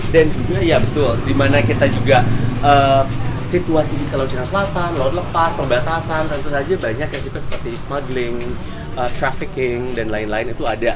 dan juga ya betul di mana kita juga situasi di laut cina selatan laut lepas pembatasan tentu saja banyak risiko seperti smuggling trafficking dan lain lain itu ada